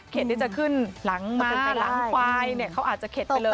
เข็ดที่จะขึ้นหลังม่าหลังควายเขาอาจจะเข็ดไปเลย